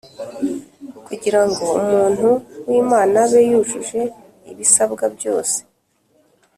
kugira ngo umuntu w’Imana abe yujuje ibisabwa byose